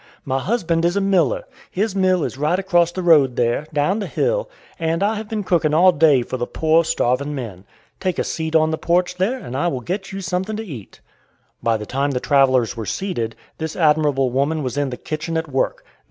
My husband is a miller; his mill is right across the road there, down the hill, and I have been cooking all day for the poor starving men. Take a seat on the porch there and I will get you something to eat." By the time the travelers were seated, this admirable woman was in the kitchen at work.